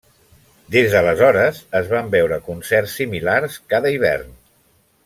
Des d'aleshores, es van veure concerts similars cada hivern.